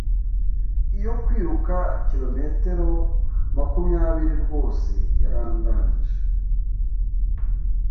Iyo kwiruka kilometero makumyabiri rwose yarandangije.